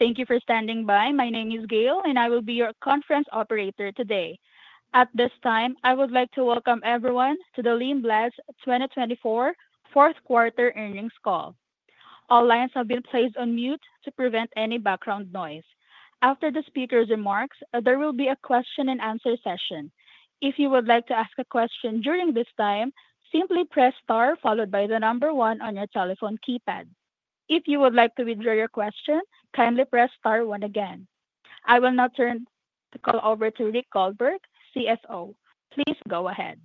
Thank you for standing by. My name is Gayle, and I will be your conference operator today. At this time, I would like to welcome everyone to the Lindblad 2024 Fourth Quarter Earnings Call. All lines have been placed on mute to prevent any background noise. After the speaker's remarks, there will be a question-and-answer session. If you would like to ask a question during this time, simply press star followed by the number one on your telephone keypad. If you would like to withdraw your question, kindly press star one again. I will now turn the call over to Rick Goldberg, CFO. Please go ahead.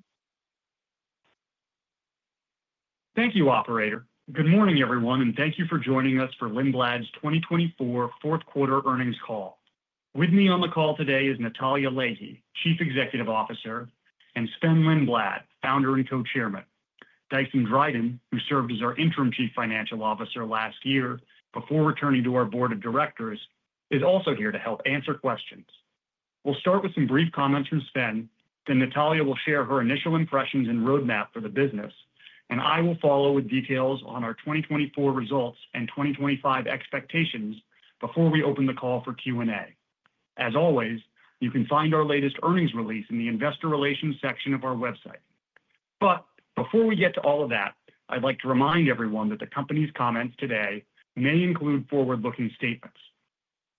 Thank you, Operator. Good morning, everyone, and thank you for joining us for Lindblad's 2024 Fourth Quarter Earnings Call. With me on the call today is Natalya Leahy, Chief Executive Officer, and Sven-Olof Lindblad, Founder and Co-Chairman. Dyson Dryden, who served as our Interim Chief Financial Officer last year before returning to our Board of Directors, is also here to help answer questions. We'll start with some brief comments from Sven, then Natalya will share her initial impressions and roadmap for the business, and I will follow with details on our 2024 results and 2025 expectations before we open the call for Q&A. As always, you can find our latest earnings release in the investor relations section of our website. But before we get to all of that, I'd like to remind everyone that the company's comments today may include forward-looking statements.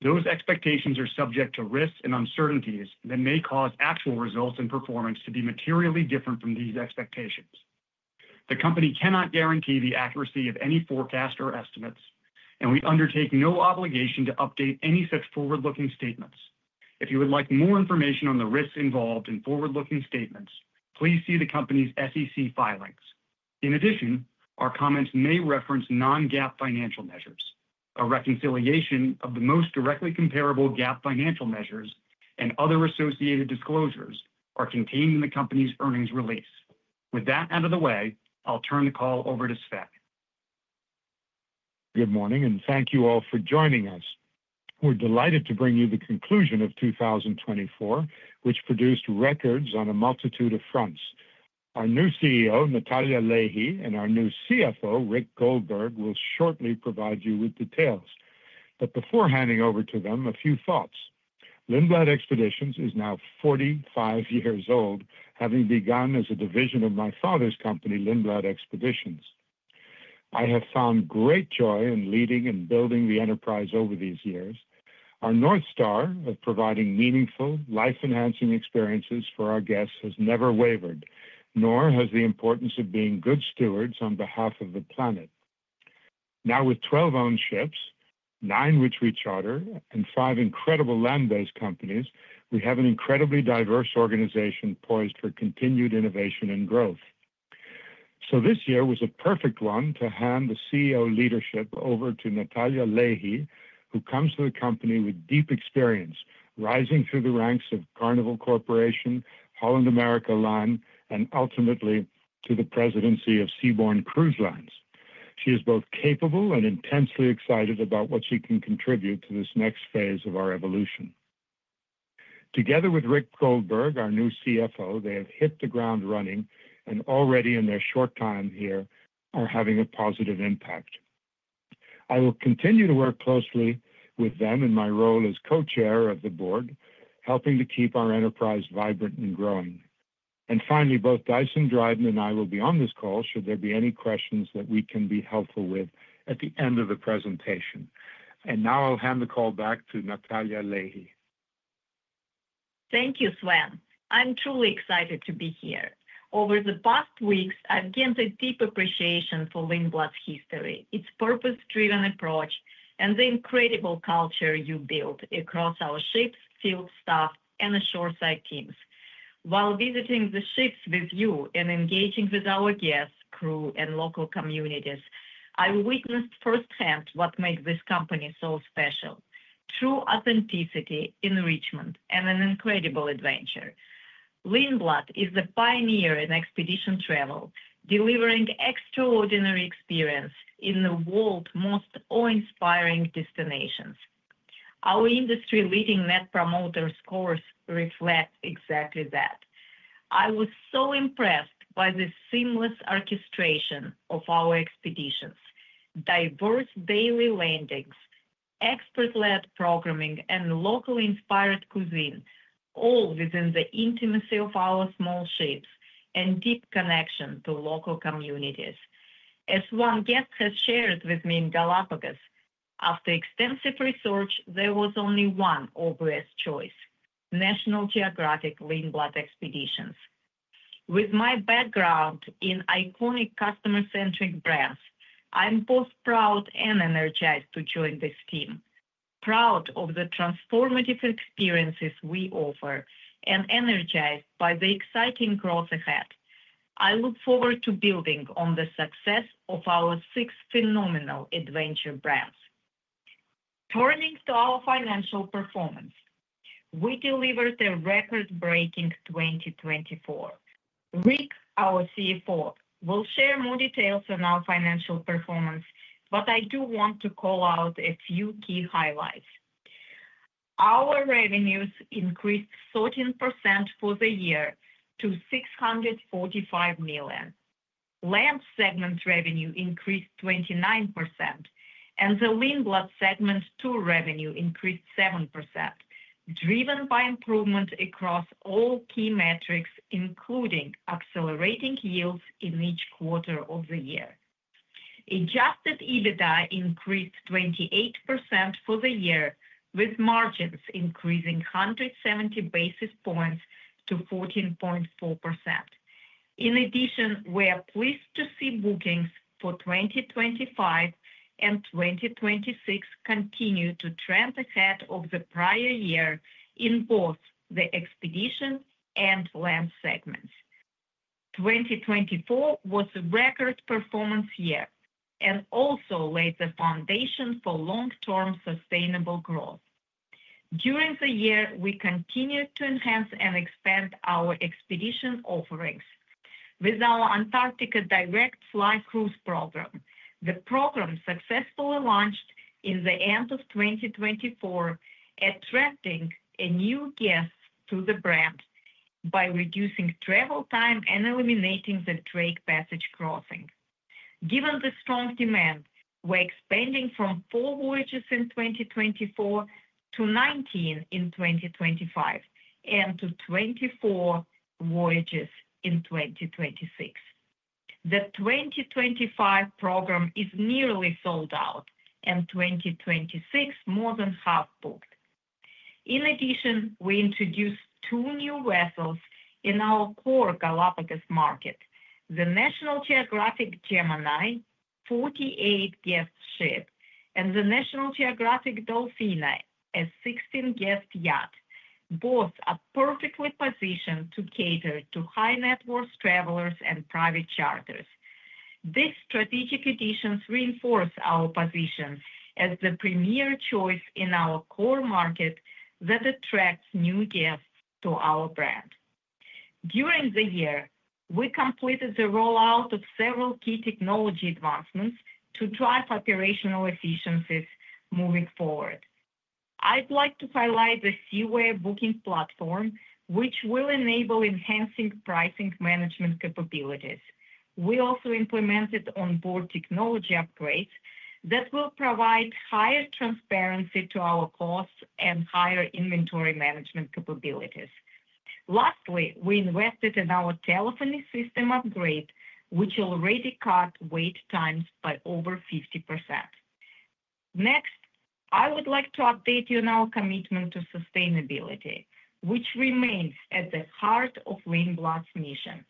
Those expectations are subject to risks and uncertainties that may cause actual results and performance to be materially different from these expectations. The company cannot guarantee the accuracy of any forecast or estimates, and we undertake no obligation to update any such forward-looking statements. If you would like more information on the risks involved in forward-looking statements, please see the company's SEC filings. In addition, our comments may reference non-GAAP financial measures. A reconciliation of the most directly comparable GAAP financial measures and other associated disclosures is contained in the company's earnings release. With that out of the way, I'll turn the call over to Sven. Good morning, and thank you all for joining us. We're delighted to bring you the conclusion of 2024, which produced records on a multitude of fronts. Our new CEO, Natalya Leahy, and our new CFO, Rick Goldberg, will shortly provide you with details. But before handing over to them, a few thoughts. Lindblad Expeditions is now 45 years old, having begun as a division of my father's company, Lindblad Expeditions. I have found great joy in leading and building the enterprise over these years. Our North Star of providing meaningful, life-enhancing experiences for our guests has never wavered, nor has the importance of being good stewards on behalf of the planet. Now, with 12 owned ships, nine which reach farther, and five incredible land-based companies, we have an incredibly diverse organization poised for continued innovation and growth. So this year was a perfect one to hand the CEO leadership over to Natalya Leahy, who comes to the company with deep experience, rising through the ranks of Carnival Corporation, Holland America Line, and ultimately to the presidency of Seabourn Cruise Lines. She is both capable and intensely excited about what she can contribute to this next phase of our evolution. Together with Rick Goldberg, our new CFO, they have hit the ground running and already, in their short time here, are having a positive impact. I will continue to work closely with them in my role as Co-Chair of the Board, helping to keep our enterprise vibrant and growing. And finally, both Dyson Dryden and I will be on this call should there be any questions that we can be helpful with at the end of the presentation. And now I'll hand the call back to Natalya Leahy. Thank you, Sven. I'm truly excited to be here. Over the past weeks, I've gained a deep appreciation for Lindblad's history, its purpose-driven approach, and the incredible culture you build across our ships, field staff, and shoreside teams. While visiting the ships with you and engaging with our guests, crew, and local communities, I witnessed firsthand what makes this company so special: true authenticity, enrichment, and an incredible adventure. Lindblad is a pioneer in expedition travel, delivering extraordinary experiences in the world's most awe-inspiring destinations. Our industry-leading Net Promoter Scores reflect exactly that. I was so impressed by the seamless orchestration of our expeditions: diverse daily landings, expert-led programming, and locally inspired cuisine, all within the intimacy of our small ships and deep connection to local communities. As one guest has shared with me in Galápagos, after extensive research, there was only one obvious choice: National Geographic Lindblad Expeditions. With my background in iconic customer-centric brands, I'm both proud and energized to join this team, proud of the transformative experiences we offer, and energized by the exciting growth ahead. I look forward to building on the success of our six phenomenal adventure brands. Turning to our financial performance, we delivered a record-breaking 2024. Rick, our CFO, will share more details on our financial performance, but I do want to call out a few key highlights. Our revenues increased 13% for the year to $645 million. LAMP segment revenue increased 29%, and the Lindblad segment tour revenue increased 7%, driven by improvement across all key metrics, including accelerating yields in each quarter of the year. Adjusted EBITDA increased 28% for the year, with margins increasing 170 basis points to 14.4%. In addition, we are pleased to see bookings for 2025 and 2026 continue to trend ahead of the prior year in both the expedition and LAMP segments. 2024 was a record performance year and also laid the foundation for long-term sustainable growth. During the year, we continued to enhance and expand our expedition offerings with our Antarctica Direct Fly-Cruise program. The program successfully launched at the end of 2024, attracting new guests to the brand by reducing travel time and eliminating the Drake Passage crossing. Given the strong demand, we're expanding from four voyages in 2024 to 19 in 2025 and to 24 voyages in 2026. The 2025 program is nearly sold out, and 2026 is more than half booked. In addition, we introduced two new vessels in our core Galápagos market: the National Geographic Gemini, 48-guest ship, and the National Geographic Delfina, a 16-guest yacht, both perfectly positioned to cater to high-net-worth travelers and private charters. These strategic additions reinforce our position as the premier choice in our core market that attracts new guests to our brand. During the year, we completed the rollout of several key technology advancements to drive operational efficiencies moving forward. I'd like to highlight the Seaware booking platform, which will enable enhancing pricing management capabilities. We also implemented onboard technology upgrades that will provide higher transparency to our costs and higher inventory management capabilities. Lastly, we invested in our telephony system upgrade, which already cut wait times by over 50%. Next, I would like to update you on our commitment to sustainability, which remains at the heart of Lindblad's mission.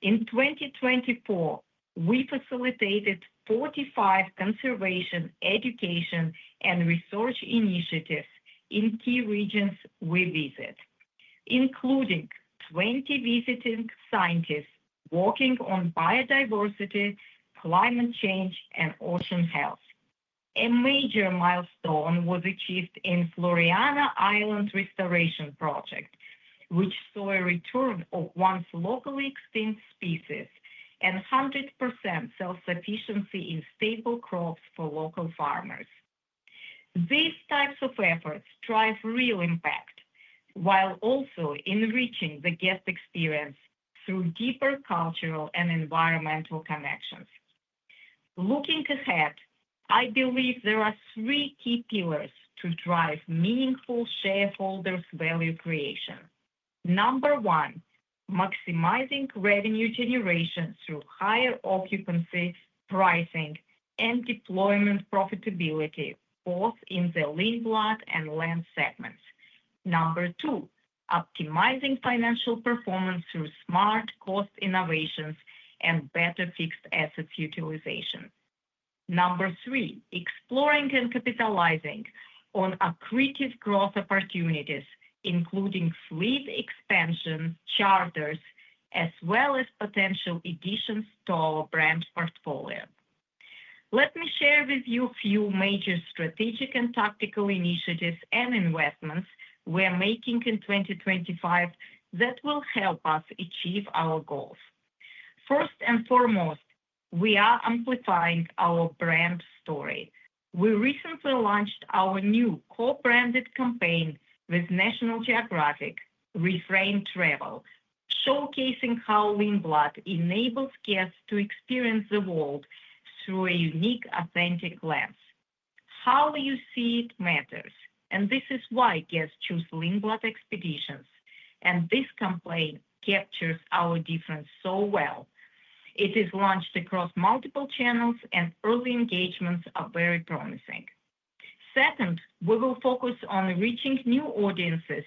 In 2024, we facilitated 45 conservation, education, and research initiatives in key regions we visited, including 20 visiting scientists working on biodiversity, climate change, and ocean health. A major milestone was achieved in the Floreana Island Restoration Project, which saw a return of once locally extinct species and 100% self-sufficiency in stable crops for local farmers. These types of efforts drive real impact while also enriching the guest experience through deeper cultural and environmental connections. Looking ahead, I believe there are three key pillars to drive meaningful shareholders' value creation. Number one, maximizing revenue generation through higher occupancy, pricing, and deployment profitability, both in the Lindblad and LAMP segments. Number two, optimizing financial performance through smart cost innovations and better fixed assets utilization. Number three, exploring and capitalizing on accretive growth opportunities, including fleet expansions, charters, as well as potential additions to our brand portfolio. Let me share with you a few major strategic and tactical initiatives and investments we're making in 2025 that will help us achieve our goals. First and foremost, we are amplifying our brand story. We recently launched our new co-branded campaign with National Geographic, Reframe Travel, showcasing how Lindblad enables guests to experience the world through a unique, authentic lens. How you see it matters, and this is why guests choose Lindblad Expeditions, and this campaign captures our difference so well. It is launched across multiple channels, and early engagements are very promising. Second, we will focus on reaching new audiences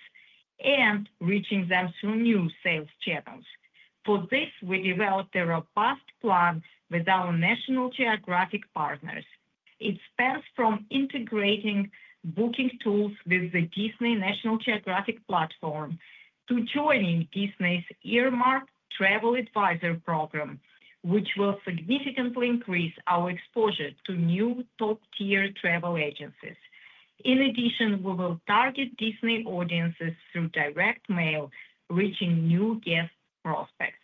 and reaching them through new sales channels. For this, we developed a robust plan with our National Geographic partners. It spans from integrating booking tools with the Disney National Geographic platform to joining Disney's Earmarked travel advisor program, which will significantly increase our exposure to new top-tier travel agencies. In addition, we will target Disney audiences through direct mail, reaching new guest prospects.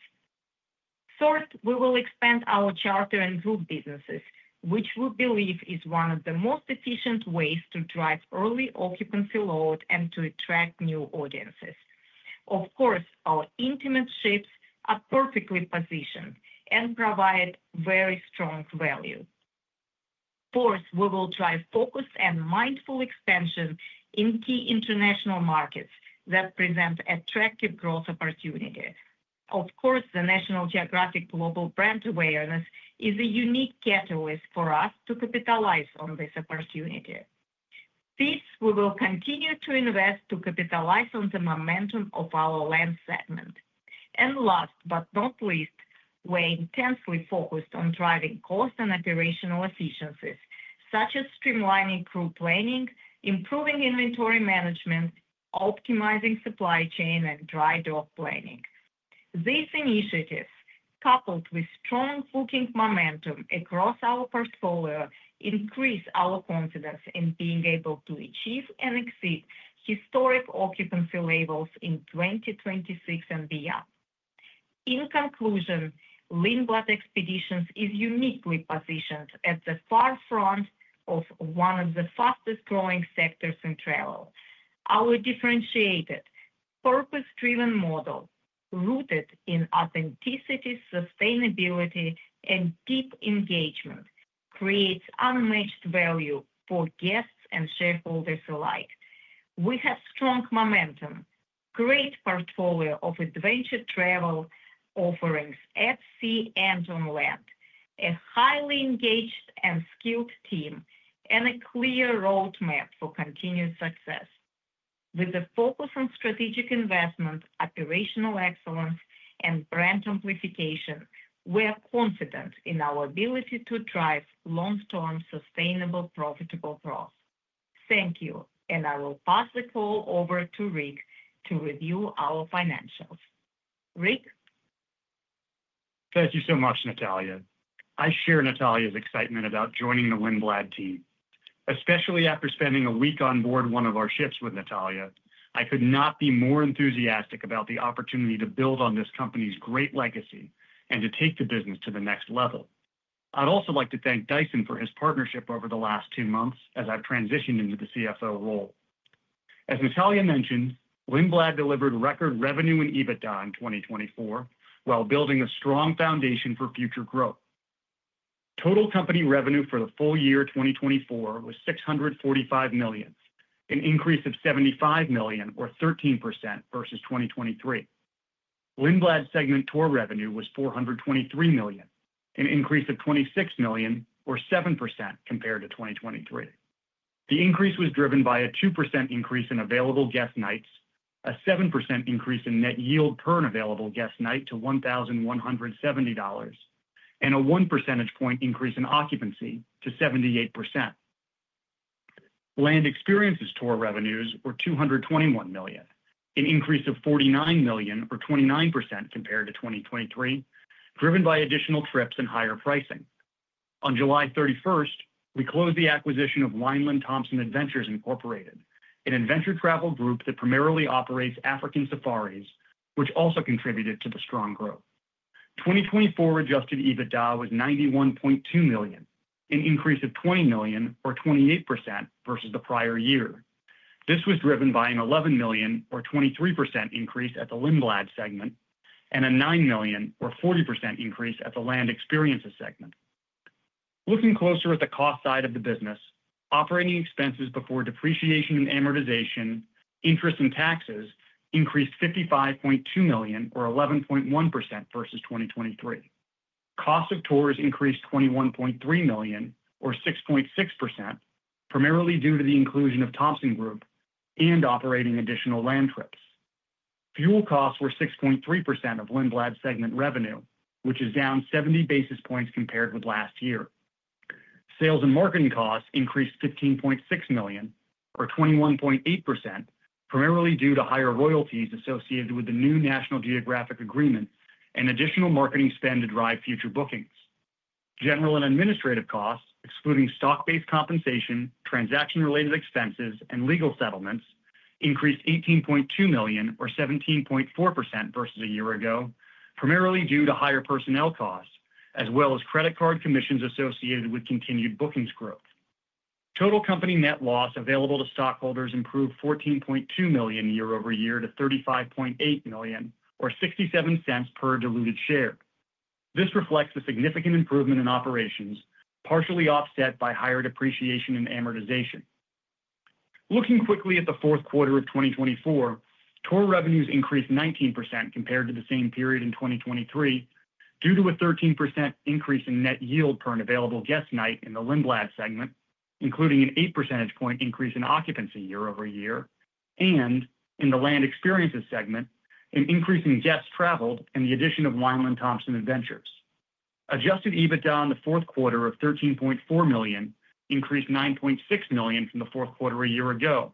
Third, we will expand our charter and group businesses, which we believe is one of the most efficient ways to drive early occupancy load and to attract new audiences. Of course, our intimate ships are perfectly positioned and provide very strong value. Fourth, we will drive focused and mindful expansion in key international markets that present attractive growth opportunities. Of course, the National Geographic global brand awareness is a unique catalyst for us to capitalize on this opportunity. Fifth, we will continue to invest to capitalize on the momentum of our LAMP segment. And last but not least, we're intensely focused on driving cost and operational efficiencies, such as streamlining crew planning, improving inventory management, optimizing supply chain, and dry dock planning. These initiatives, coupled with strong booking momentum across our portfolio, increase our confidence in being able to achieve and exceed historic occupancy levels in 2026 and beyond. In conclusion, Lindblad Expeditions is uniquely positioned at the far front of one of the fastest-growing sectors in travel. Our differentiated, purpose-driven model, rooted in authenticity, sustainability, and deep engagement, creates unmatched value for guests and shareholders alike. We have strong momentum, a great portfolio of adventure travel offerings at sea and on land, a highly engaged and skilled team, and a clear roadmap for continued success. With a focus on strategic investment, operational excellence, and brand amplification, we're confident in our ability to drive long-term sustainable profitable growth. Thank you, and I will pass the call over to Rick to review our financials. Rick. Thank you so much, Natalya. I share Natalya's excitement about joining the Lindblad team. Especially after spending a week on board one of our ships with Natalya, I could not be more enthusiastic about the opportunity to build on this company's great legacy and to take the business to the next level. I'd also like to thank Dyson for his partnership over the last two months as I've transitioned into the CFO role. As Natalya mentioned, Lindblad delivered record revenue and EBITDA in 2024 while building a strong foundation for future growth. Total company revenue for the full year 2024 was $645 million, an increase of $75 million, or 13% versus 2023. Lindblad segment tour revenue was $423 million, an increase of $26 million, or 7% compared to 2023. The increase was driven by a 2% increase in available guest nights, a 7% increase in net yield per available guest night to $1,170, and a one percentage point increase in occupancy to 78%. Land Experiences tour revenues were $221 million, an increase of $49 million, or 29% compared to 2023, driven by additional trips and higher pricing. On July 31st, we closed the acquisition of Wineland-Thomson Adventures, Incorporated, an adventure travel group that primarily operates African safaris, which also contributed to the strong growth. 2024 Adjusted EBITDA was $91.2 million, an increase of $20 million, or 28% versus the prior year. This was driven by an $11 million, or 23% increase at the Lindblad segment, and a $9 million, or 40% increase at the Land Experiences segment. Looking closer at the cost side of the business, operating expenses before depreciation and amortization, interest, and taxes increased $55.2 million, or 11.1% versus 2023. Cost of tours increased $21.3 million, or 6.6%, primarily due to the inclusion of Thomson Group and operating additional LAMP trips. Fuel costs were 6.3% of Lindblad segment revenue, which is down 70 basis points compared with last year. Sales and marketing costs increased $15.6 million, or 21.8%, primarily due to higher royalties associated with the new National Geographic agreement and additional marketing spend to drive future bookings. General and administrative costs, excluding stock-based compensation, transaction-related expenses, and legal settlements, increased $18.2 million, or 17.4% versus a year ago, primarily due to higher personnel costs, as well as credit card commissions associated with continued bookings growth. Total company net loss available to stockholders improved $14.2 million year-over-year to $35.8 million, or $0.67 per diluted share. This reflects a significant improvement in operations, partially offset by higher depreciation and amortization. Looking quickly at the fourth quarter of 2024, tour revenues increased 19% compared to the same period in 2023 due to a 13% increase in net yield per an available guest night in the Lindblad segment, including an eight percentage point increase in occupancy year-over-year, and in the Land Experiences segment, an increase in guests traveled and the addition of Wineland-Thomson Adventures. Adjusted EBITDA in the fourth quarter of $13.4 million increased $9.6 million from the fourth quarter a year ago.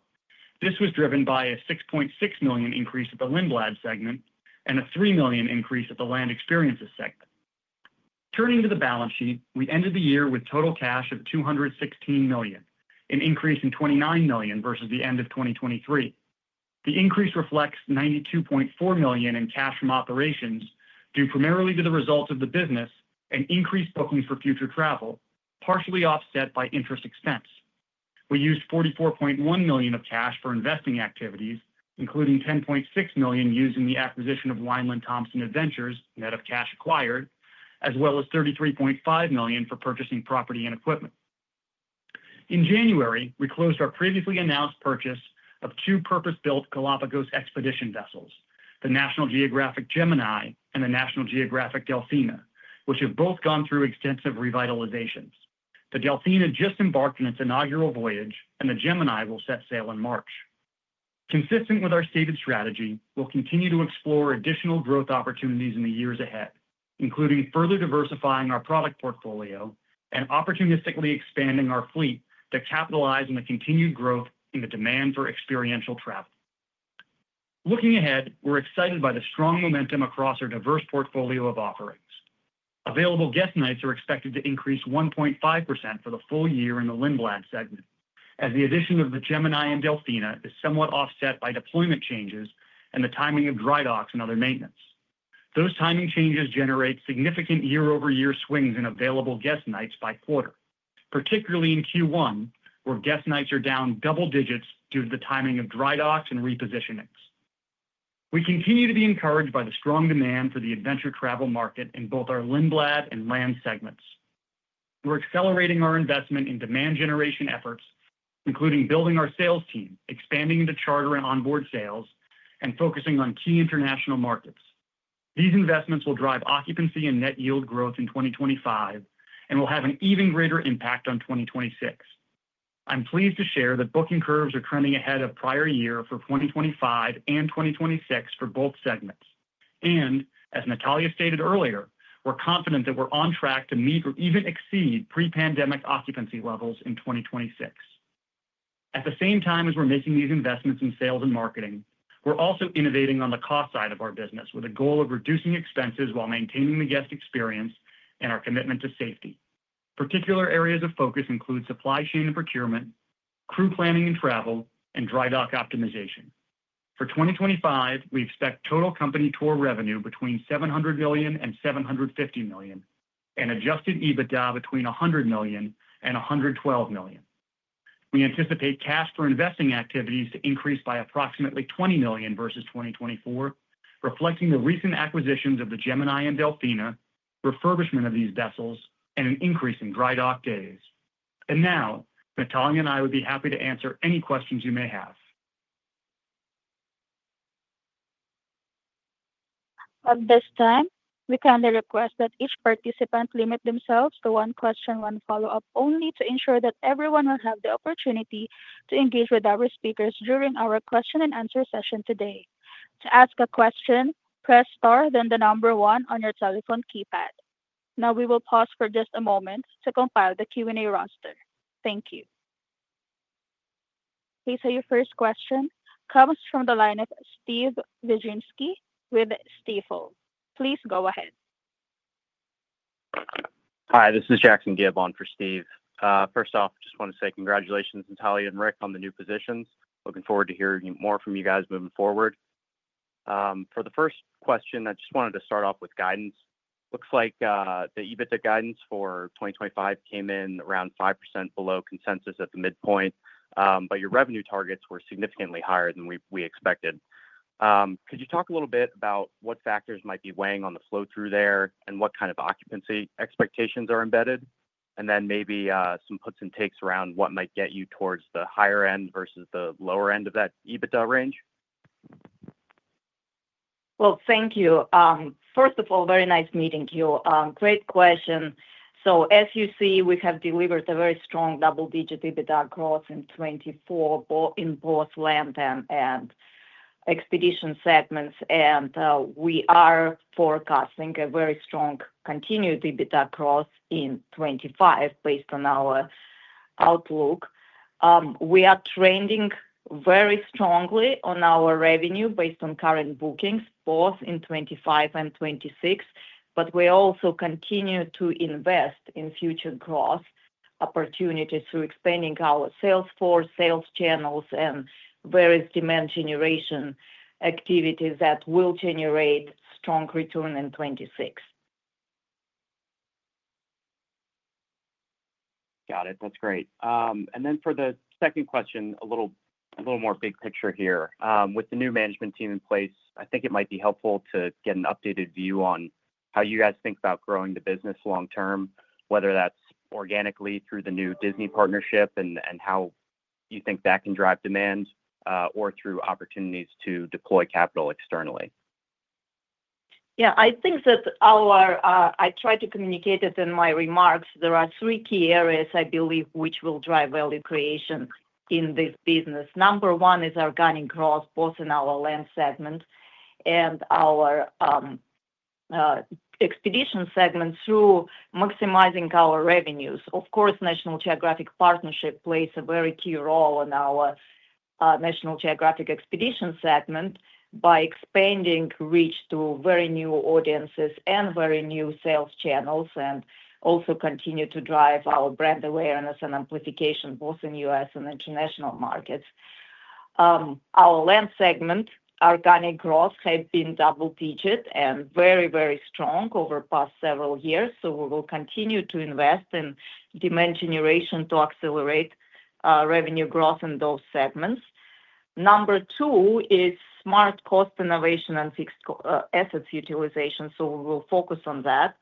This was driven by a $6.6 million increase at the Lindblad segment and a $3 million increase at the Land Experiences segment. Turning to the balance sheet, we ended the year with total cash of $216 million, an increase in $29 million versus the end of 2023. The increase reflects $92.4 million in cash from operations due primarily to the results of the business and increased bookings for future travel, partially offset by interest expense. We used $44.1 million of cash for investing activities, including $10.6 million used in the acquisition of Wineland-Thomson Adventures, net of cash acquired, as well as $33.5 million for purchasing property and equipment. In January, we closed our previously announced purchase of two purpose-built Galápagos Expedition vessels, the National Geographic Gemini and the National Geographic Delfina, which have both gone through extensive revitalizations. The Delfina just embarked on its inaugural voyage, and the Gemini will set sail in March. Consistent with our stated strategy, we'll continue to explore additional growth opportunities in the years ahead, including further diversifying our product portfolio and opportunistically expanding our fleet to capitalize on the continued growth in the demand for experiential travel. Looking ahead, we're excited by the strong momentum across our diverse portfolio of offerings. Available guest nights are expected to increase 1.5% for the full year in the Lindblad segment, as the addition of the Gemini and Delfina is somewhat offset by deployment changes and the timing of dry docks and other maintenance. Those timing changes generate significant year-over-year swings in available guest nights by quarter, particularly in Q1, where guest nights are down double digits due to the timing of dry docks and repositionings. We continue to be encouraged by the strong demand for the adventure travel market in both our Lindblad and LAMP segments. We're accelerating our investment in demand generation efforts, including building our sales team, expanding the charter and onboard sales, and focusing on key international markets. These investments will drive occupancy and net yield growth in 2025 and will have an even greater impact on 2026. I'm pleased to share that booking curves are trending ahead of prior year for 2025 and 2026 for both segments. And as Natalya stated earlier, we're confident that we're on track to meet or even exceed pre-pandemic occupancy levels in 2026. At the same time as we're making these investments in sales and marketing, we're also innovating on the cost side of our business with a goal of reducing expenses while maintaining the guest experience and our commitment to safety. Particular areas of focus include supply chain and procurement, crew planning and travel, and dry dock optimization. For 2025, we expect total company tour revenue between $700 million and $750 million, and Adjusted EBITDA between $100 million and $112 million. We anticipate cash for investing activities to increase by approximately $20 million versus 2024, reflecting the recent acquisitions of the Gemini and Delfina, refurbishment of these vessels, and an increase in dry dock days, and now, Natalya and I would be happy to answer any questions you may have. At this time, we kindly request that each participant limit themselves to one question, one follow-up only, to ensure that everyone will have the opportunity to engage with our speakers during our question-and-answer session today. To ask a question, press star, then the number one on your telephone keypad. Now, we will pause for just a moment to compile the Q&A roster. Thank you. Our first question comes from the line of Steve Wieczynski with Stifel. Please go ahead. Hi, this is Jackson Gibb on for Steve. First off, I just want to say congratulations, Natalya and Rick, on the new positions. Looking forward to hearing more from you guys moving forward. For the first question, I just wanted to start off with guidance. Looks like the EBITDA guidance for 2025 came in around 5% below consensus at the midpoint, but your revenue targets were significantly higher than we expected. Could you talk a little bit about what factors might be weighing on the flow through there and what kind of occupancy expectations are embedded, and then maybe some puts and takes around what might get you towards the higher end versus the lower end of that EBITDA range? Thank you. First of all, very nice meeting you. Great question. As you see, we have delivered a very strong double-digit EBITDA growth in both LAMP and Expeditions segments, and we are forecasting a very strong continued EBITDA growth in 2025 based on our outlook. We are trending very strongly on our revenue based on current bookings, both in 2025 and 2026, but we also continue to invest in future growth opportunities through expanding our sales force, sales channels, and various demand-generation activities that will generate strong return in 2026. Got it. That's great. And then for the second question, a little more big picture here. With the new management team in place, I think it might be helpful to get an updated view on how you guys think about growing the business long-term, whether that's organically through the new Disney partnership and how you think that can drive demand or through opportunities to deploy capital externally. Yeah, I think that our—I tried to communicate it in my remarks. There are three key areas, I believe, which will drive value creation in this business. Number one is organic growth, both in our LAMP segment and our expedition segment, through maximizing our revenues. Of course, National Geographic partnership plays a very key role in our National Geographic Expeditions segment by expanding reach to very new audiences and very new sales channels and also continue to drive our brand awareness and amplification, both in the U.S. and international markets. Our LAMP segment organic growth has been double-digit and very, very strong over the past several years, so we will continue to invest in demand generation to accelerate revenue growth in those segments. Number two is smart cost innovation and fixed assets utilization, so we will focus on that.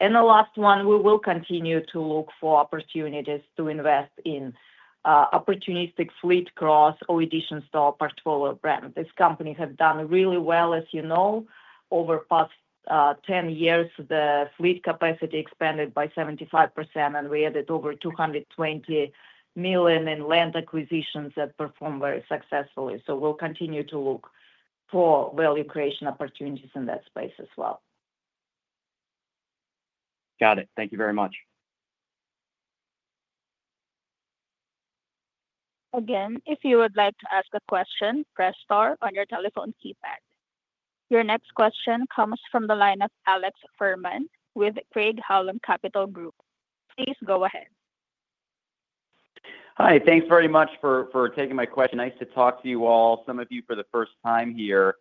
And the last one, we will continue to look for opportunities to invest in opportunistic fleet growth or additions to our portfolio brand. This company has done really well, as you know. Over the past 10 years, the fleet capacity expanded by 75%, and we added over $220 million in LAMP acquisitions that performed very successfully. So we'll continue to look for value creation opportunities in that space as well. Got it. Thank you very much. Again, if you would like to ask a question, press star on your telephone keypad. Your next question comes from the line of Alex Fuhrman with Craig-Hallum Capital Group. Please go ahead. Hi, thanks very much for taking my question. Nice to talk to you all, some of you for the first time here.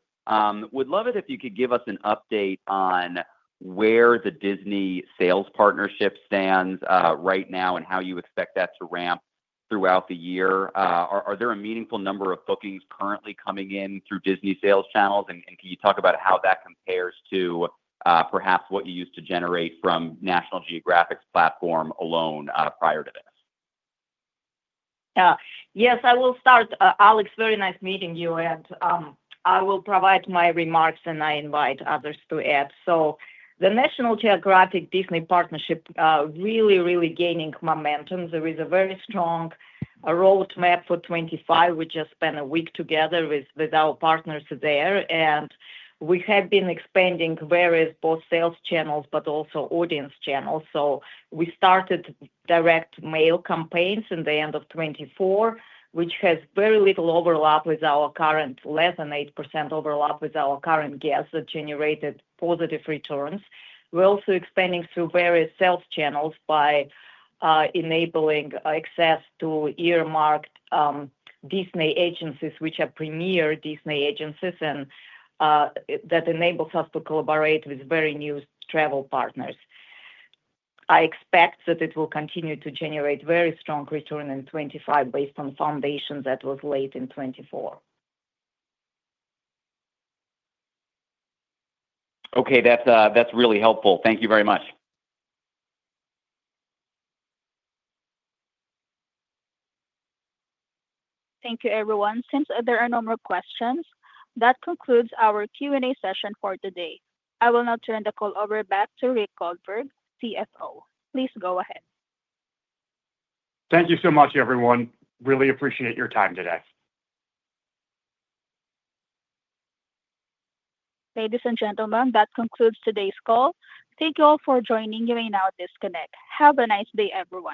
Would love it if you could give us an update on where the Disney sales partnership stands right now and how you expect that to ramp throughout the year. Are there a meaningful number of bookings currently coming in through Disney sales channels, and can you talk about how that compares to perhaps what you used to generate from National Geographic's platform alone prior to this? Yes, I will start, Alex. Very nice meeting you, and I will provide my remarks, and I invite others to add, so the National Geographic Disney partnership is really, really gaining momentum. There is a very strong roadmap for 2025. We just spent a week together with our partners there, and we have been expanding various both sales channels but also audience channels, so we started direct mail campaigns in the end of 2024, which has very little overlap, less than 8% overlap with our current guests that generated positive returns. We're also expanding through various sales channels by enabling access to earmarked Disney agencies, which are premier Disney agencies, and that enables us to collaborate with very new travel partners. I expect that it will continue to generate very strong return in 2025 based on the foundation that was laid in 2024. Okay, that's really helpful. Thank you very much. Thank you, everyone. Since there are no more questions, that concludes our Q&A session for today. I will now turn the call over back to Rick Goldberg, CFO. Please go ahead. Thank you so much, everyone. Really appreciate your time today. Ladies and gentlemen, that concludes today's call. Thank you all for joining. You are now disconnected. Have a nice day, everyone.